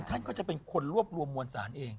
ท่านก็จะเป็นคนรวบรวมมวลสารเอง